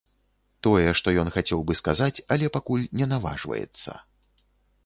Тое, што ён хацеў бы сказаць, але пакуль не наважваецца.